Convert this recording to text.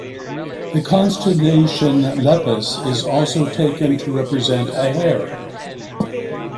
The constellation Lepus is also taken to represent a hare.